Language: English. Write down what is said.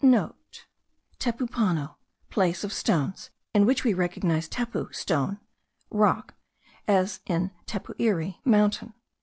(* Tepu pano, place of stones, in which we recognize tepu stone, rock, as in tepu iri, mountain.